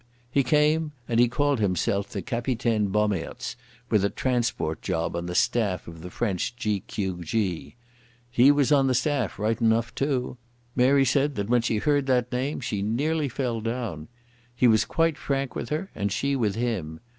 He came, and he called himself the Capitaine Bommaerts, with a transport job on the staff of the French G.Q.G. He was on the staff right enough too. Mary said that when she heard that name she nearly fell down. He was quite frank with her, and she with him.